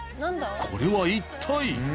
これは一体？